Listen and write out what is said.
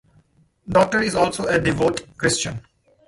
Docter is also a devout Christian.